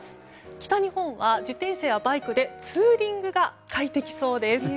北日本は自転車やバイクでツーリングが快適そうです。